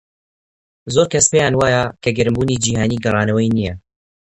زۆر کەس پێیان وایە کە گەرمبوونی جیهانی گەڕانەوەی نییە.